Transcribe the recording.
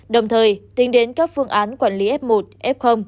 đồng thời tính đến các phương án quản lý f một f